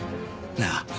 なあ！